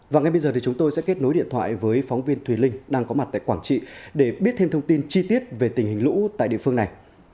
và ngay bây giờ thì chúng tôi sẽ kết nối điện thoại với phóng viên thùy linh đang có mặt tại quảng trị để biết thêm thông tin chi tiết về tình hình lũ tại địa phương này